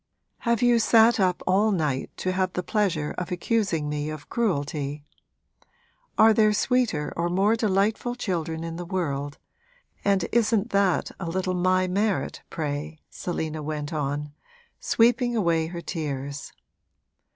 Have you sat up all night to have the pleasure of accusing me of cruelty? Are there sweeter or more delightful children in the world, and isn't that a little my merit, pray?' Selina went on, sweeping away her tears.